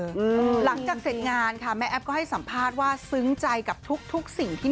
หลังจากเสร็จงานค่ะแม่แอฟก็ให้สัมภาษณ์ว่าซึ้งใจกับทุกสิ่งที่